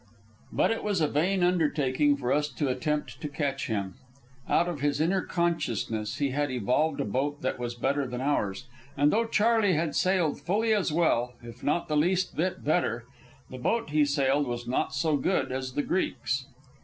But it was a vain undertaking for us to attempt to catch him. Out of his inner consciousness he had evolved a boat that was better than ours. And though Charley sailed fully as well, if not the least bit better, the boat he sailed was not so good as the Greek's.